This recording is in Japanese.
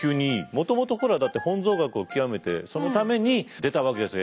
もともとほらだって本草学を究めてそのために出たわけですよ